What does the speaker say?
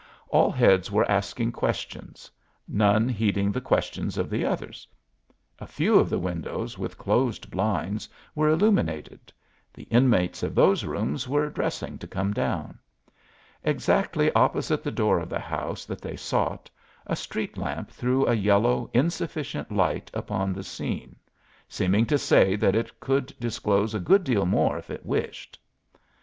All heads were asking questions, none heeding the questions of the others. A few of the windows with closed blinds were illuminated; the inmates of those rooms were dressing to come down. Exactly opposite the door of the house that they sought a street lamp threw a yellow, insufficient light upon the scene, seeming to say that it could disclose a good deal more if it wished.